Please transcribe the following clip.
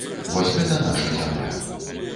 Вось гэта наша зямля.